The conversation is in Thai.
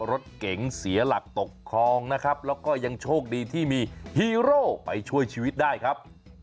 รถเก๋งเสียหลักตกคลองนะครับแล้วก็ยังโชคดีที่มีฮีโร่ไปช่วยชีวิตได้ครับ